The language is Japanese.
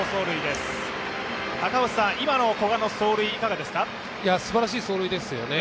すばらしい走塁ですよね。